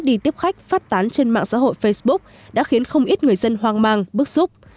đi tiếp khách phát tán trên mạng xã hội facebook đã khiến không ít người dân hoang mang bức xúc